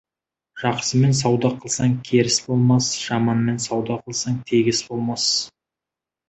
Жақсымен сауда қылсаң, керіс болмас, жаманмен сауда қылсаң, тегіс болмас.